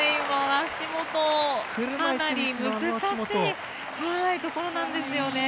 足元、かなり難しいところなんですよね。